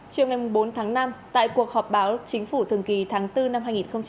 chiều ngày bốn tháng năm tại cuộc họp báo chính phủ thường kỳ tháng bốn năm hai nghìn hai mươi